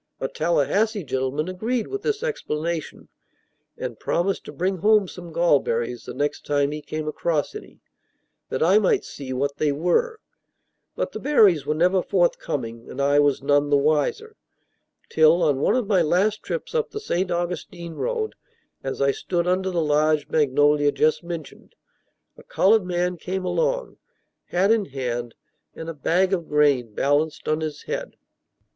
A Tallahassee gentleman agreed with this explanation, and promised to bring home some gall berries the next time he came across any, that I might see what they were; but the berries were never forthcoming, and I was none the wiser, till, on one of my last trips up the St. Augustine road, as I stood under the large magnolia just mentioned, a colored man came along, hat in hand, and a bag of grain balanced on his head.